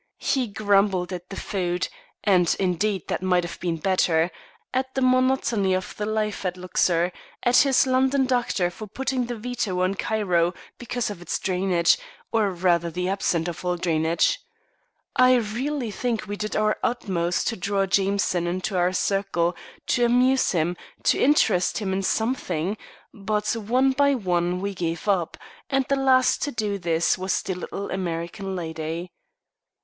He grumbled at the food and, indeed, that might have been better; at the monotony of the life at Luxor, at his London doctor for putting the veto on Cairo because of its drainage, or rather the absence of all drainage. I really think we did our utmost to draw Jameson into our circle, to amuse him, to interest him in something; but one by one we gave him up, and the last to do this was the little American lady.